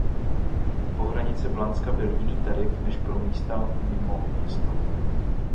Po hranice Blanska byl jiný tarif než pro místa mimo město.